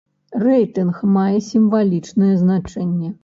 Рэйтынг мае сімвалічнае значэнне.